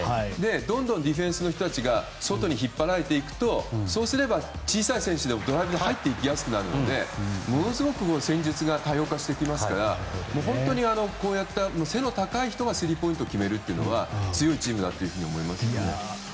どんどんディフェンスの人が外に引っ張られていくとそうすれば、小さい選手でも入っていきやすくなるのでものすごく戦術が多様化してきますから本当に背の高い人がスリーポイントを決めるのは強いチームだと思いますね。